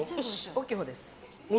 大きいほうです。